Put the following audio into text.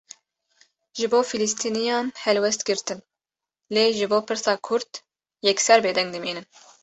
Ji bo filîstîniyan helwest girtin, lê ji bo pirsa Kurd, yekser bêdeng dimînin